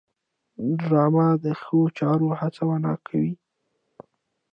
ډرامه د ښو چارو هڅونه کوي